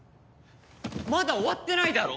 まだ終わってないだろ！